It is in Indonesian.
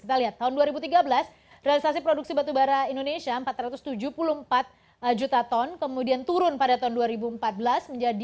kita lihat tahun dua ribu tiga belas realisasi produksi batubara indonesia empat ratus tujuh puluh empat juta ton kemudian turun pada tahun dua ribu empat belas menjadi